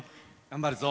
頑張るぞ！